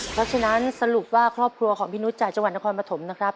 เพราะฉะนั้นสรุปว่าครอบครัวของพี่นุษย์จากจังหวัดนครปฐมนะครับ